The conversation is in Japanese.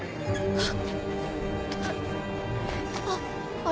あっ！